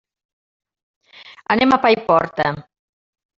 Anem a Paiporta.